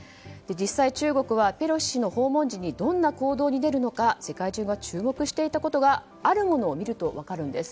実際、中国はペロシ氏の訪問時にどんな行動に出るのか世界中が注目していたことがあるものを見ると分かるんです。